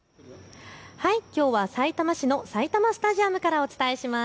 きょうはさいたま市の埼玉スタジアムからお伝えします。